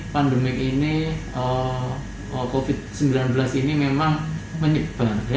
pandemi ini covid sembilan belas ini memang menyebar